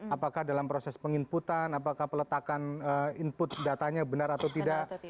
apakah dalam proses penginputan apakah peletakan input datanya benar atau tidak